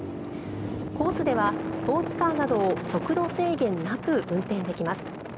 コースではスポーツカーなどを速度制限なく運転できます。